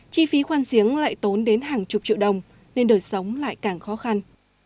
chi phí khoan giếng lại tốn đến hàng chục triệu đồng nên đời sống lại càng khó khăn